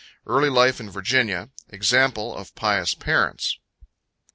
Early Life in Virginia Example of Pious Parents.